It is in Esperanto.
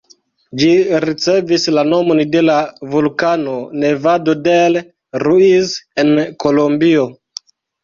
Ĝi ricevis la nomon de la vulkano Nevado del Ruiz en Kolombio.